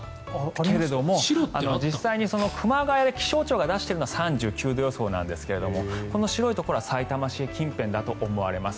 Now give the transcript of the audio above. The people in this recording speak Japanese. けれども、実際に熊谷で気象庁が出しているのは３９度予想なんですが白いところはさいたま市近辺だと思います。